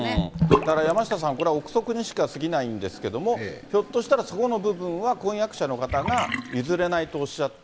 だから山下さん、これは臆測にしかすぎないんですけど、ひょっとしたらそこの部分は婚約者の方が譲れないとおっしゃった。